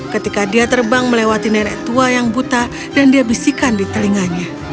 ketika dia terbang melewati nenek tua yang buta dan dia bisikan di telinganya